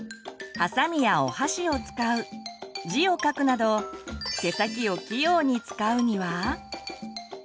はさみやお箸を使う字を書くなど手先を器用に使うには？